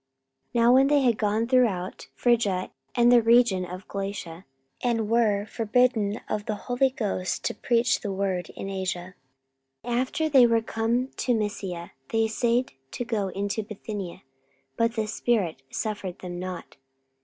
44:016:006 Now when they had gone throughout Phrygia and the region of Galatia, and were forbidden of the Holy Ghost to preach the word in Asia, 44:016:007 After they were come to Mysia, they assayed to go into Bithynia: but the Spirit suffered them not.